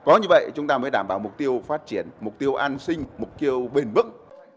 có như vậy chúng ta mới đảm bảo mục tiêu phát triển mục tiêu an sinh mục tiêu bền bức